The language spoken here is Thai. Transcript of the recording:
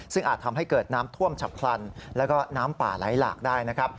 ซึ่งอาจทำให้เกิดน้ำท่วมฉับพลันแล้วก็น้ำป่าไหลหลากได้นะครับ